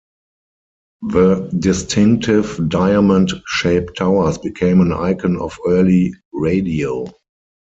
The distinctive diamond-shaped towers became an icon of early radio.